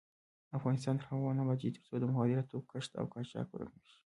افغانستان تر هغو نه ابادیږي، ترڅو د مخدره توکو کښت او قاچاق ورک نشي.